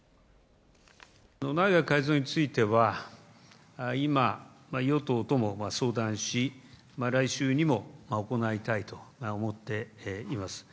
内閣改造については、今、与党とも相談し、来週にも行いたいと思っています。